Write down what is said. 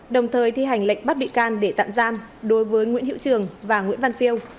đồng thời thi hành lệnh bắt bị can để tạm giam đối với nguyễn hiệu trường và nguyễn văn phiêu